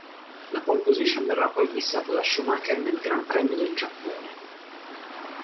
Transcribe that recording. La "pole position" verrà poi bissata da Schumacher nel Gran Premio del Giappone.